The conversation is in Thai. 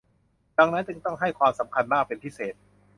ดังนั้นจึงต้องให้ความสำคัญมากเป็นพิเศษ